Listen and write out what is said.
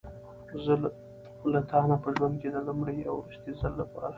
زه له تا نه په ژوند کې د لومړي او وروستي ځل لپاره.